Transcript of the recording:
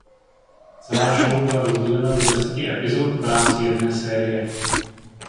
Celá show byla rozdělena do deseti epizod v rámci jedné série.